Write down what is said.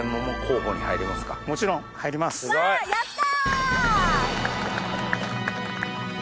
わやった！